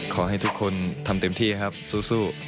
ขอให้ทุกคนทำเต็มที่ครับสู้